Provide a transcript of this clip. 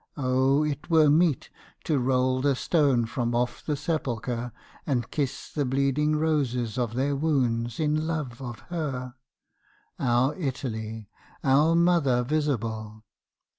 O it were meet To roll the stone from off the sepulchre And kiss the bleeding roses of their wounds, in love of her, Our Italy! our mother visible!